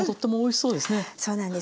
そうなんです。